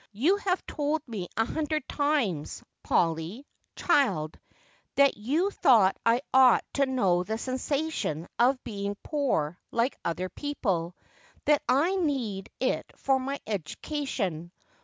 You have told me a hundred times, Polly, child, that you thought I ought to know the sensation of being poor like other people, that I needed it for my education.